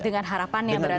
dengan harapan ya berarti